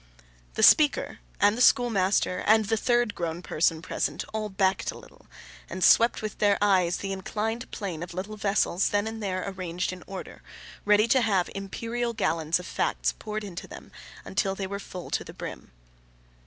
The speaker, and the schoolmaster, and the third grown person present, all backed a little, and swept with their eyes the inclined plane of little vessels then and there arranged in order, ready to have imperial gallons of facts poured into them until they were full to the brim.